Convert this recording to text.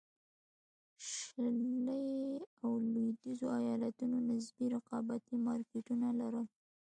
شلي او لوېدیځو ایالتونو نسبي رقابتي مارکېټونه لرل.